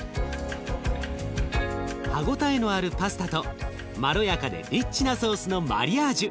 歯応えのあるパスタとまろやかでリッチなソースのマリアージュ。